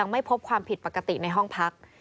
ไม่พบความผิดปกติในห้องพัก